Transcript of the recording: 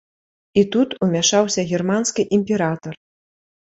І тут умяшаўся германскі імператар.